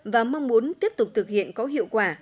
và mong muốn tiếp tục thực hiện có hiệu quả